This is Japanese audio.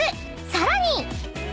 ［さらに］